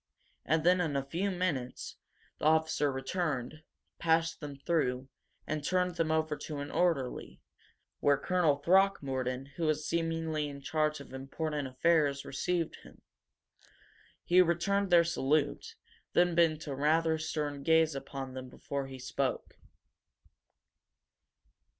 And then, in a few minutes, the officer returned, passed them through, and turned them over to an orderly, who took them to the room where Colonel Throckmorton, who was seemingly in charge of important affairs, received them. He returned their salute, then bent a rather stern gaze upon them before he spoke.